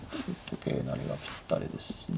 桂成りがぴったりですしね。